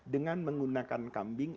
dengan menggunakan kambing